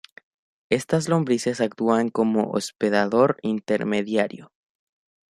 Estas lombrices actúan como hospedador intermediario.